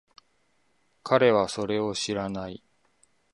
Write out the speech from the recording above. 彼はそれを知らない。